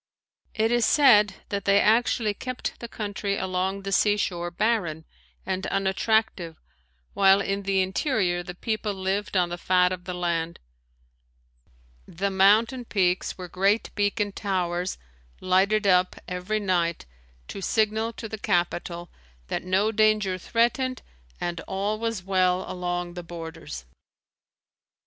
It is said that they actually kept the country along the sea shore barren and unattractive while in the interior the people lived on the fat of the land. The mountain peaks were great beacon towers lighted up every night to signal to the capital that no danger threatened and all was well along the borders.